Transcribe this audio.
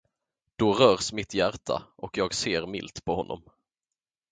Då rörs mitt hjärta, och jag ser milt på honom.